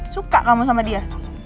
suka kamu sama dia